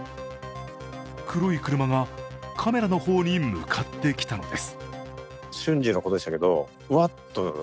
黒い車が、カメラの方に向かってきたのです。